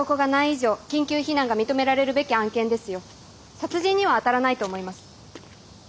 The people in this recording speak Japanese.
殺人にはあたらないと思います。